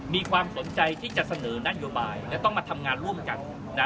มีความสนใจที่จะเสนอนโยบายและต้องมาทำงานร่วมกัน